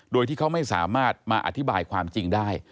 โดยที่เขาไม่สามารถมาอธิบายความจริงได้